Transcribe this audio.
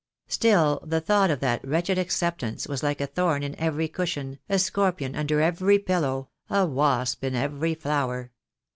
Still the thought of that wretched acceptance was like a thorn in every cushion, a scorpion under every pillow, a wasp in every flower.